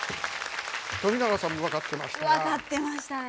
富永さんも分かってましたね。